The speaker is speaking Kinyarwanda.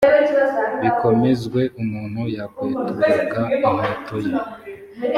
bikomezwe umuntu yakweturaga inkweto ye